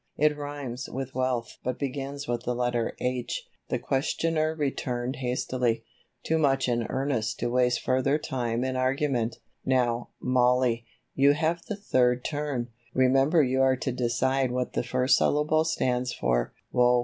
"It rhymes with wealth but begins with the letter 'h'," the questioner returned hastily, too much in earnest to waste further time in argument. "Now, Mollie, you have the third turn, remember you are to decide what the first syllable stands for, 'Wo'."